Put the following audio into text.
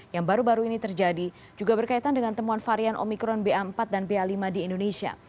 yang baru baru ini terjadi juga berkaitan dengan temuan varian omikron ba empat dan ba lima di indonesia